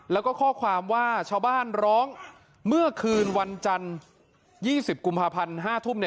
แล้วก็ข้อความว่าชาวบ้านร้องเมื่อคืนวันจันทร์๒๐กุมภาพันธ์๕ทุ่ม